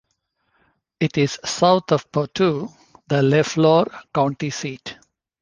It is south of Poteau, the LeFlore county seat.